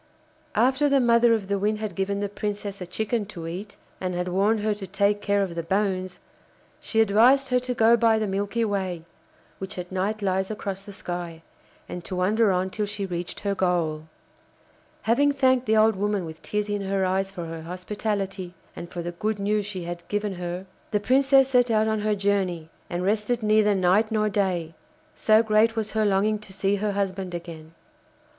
After the mother of the Wind had given the Princess a chicken to eat, and had warned her to take care of the bones, she advised her to go by the Milky Way, which at night lies across the sky, and to wander on till she reached her goal. Having thanked the old woman with tears in her eyes for her hospitality, and for the good news she had given her, the Princess set out on her journey and rested neither night nor day, so great was her longing to see her husband again.